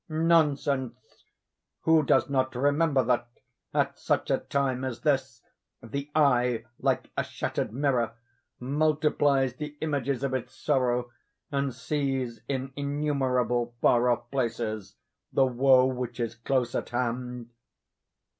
Nonsense!—Who does not remember that, at such a time as this, the eye, like a shattered mirror, multiplies the images of its sorrow, and sees in innumerable far off places, the woe which is close at hand?